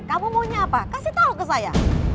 kamu maunya apa kasih tahu ke saya